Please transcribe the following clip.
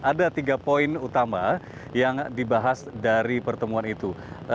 ada tiga poin utama yang dibahas dari pertemuan itu